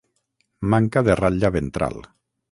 Manca de ratlla ventral.